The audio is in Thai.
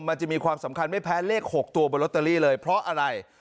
มันจะมีความสำคัญไม่แพ้เลข๖ตัวบนลอตเตอรี่เลยเพราะอะไร